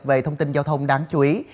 về thông tin giao thông đáng chú ý